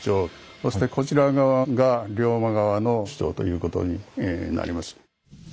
そしてこちら側が龍馬側の主張ということになります。